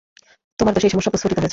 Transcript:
তোমার দোষে এই সমস্যা প্রস্ফুটিত হয়েছে।